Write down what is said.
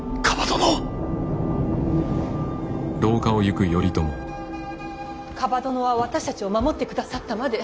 蒲殿は私たちを守ってくださったまで。